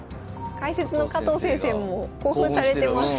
解説の加藤先生も興奮されてます。